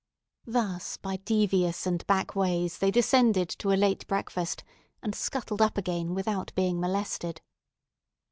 Thus by devious and back ways they descended to a late breakfast, and scuttled up again without being molested.